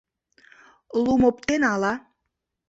Лум оптен ала